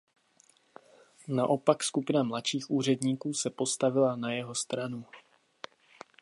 Naopak skupina mladších úředníků se postavila na jeho obranu.